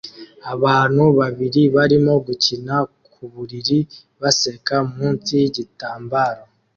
Abantu babiri barimo gukina ku buriri baseka munsi yigitambaro